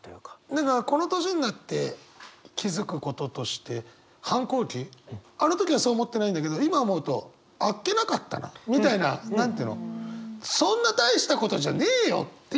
何かこの年になって気付くこととして反抗期あの時はそう思ってないんだけど今思うとあっけなかったなみたいな何て言うのそんな大したことじゃねえよって